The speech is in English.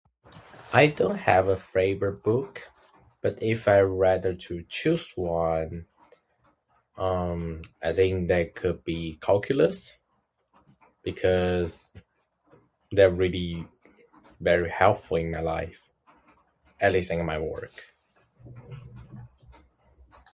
I don't have a favorite book but if I rather to choose one I think that could be calculus because they're really very helpful in my life, at least in my work.